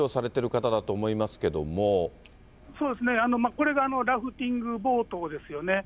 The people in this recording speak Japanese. これがラフティングボートですよね。